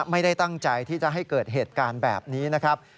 ไม่ได้ตั้งใจที่จะให้เกิดเหตุการณ์แบบนี้นะครับ